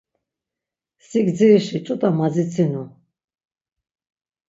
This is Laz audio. Si gdzirişi ç̌ut̆a madzitsinu.